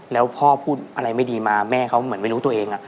แล้วพ่อพูดอะไรไม่ดีมาแม่เขาเหมือนไม่รู้ตัวเอง